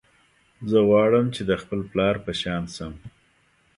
زه غواړم چې د خپل پلار په شان شم